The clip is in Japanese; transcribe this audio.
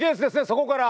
そこから。